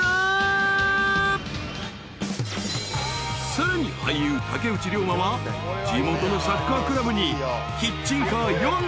［さらに俳優竹内涼真は地元のサッカークラブにキッチンカー４台爆投入］